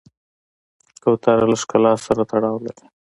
کوتره له ښکلا سره تړاو لري.